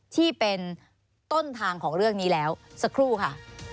ที่เป็นต้นทางของเรื่องนี้แล้วสักครู่ค่ะ